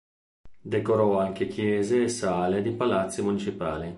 Decorò anche chiese e sale di palazzi municipali.